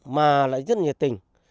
mà lại rất nhiệt tình